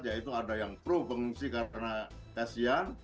yaitu ada yang pro pengungsi karena kasian